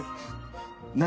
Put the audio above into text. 何？